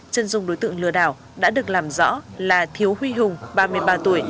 chân dung đối tượng lừa đảo đã được làm rõ là thiếu huy hùng ba mươi ba tuổi